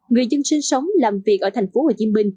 người dân sinh sống làm việc ở tp hcm